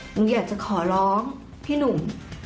หนูอยากจะขอร้องพี่หนุ่ม